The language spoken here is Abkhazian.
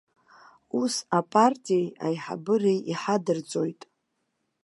Ус апартиеи аиҳабыреи иҳадырҵоит!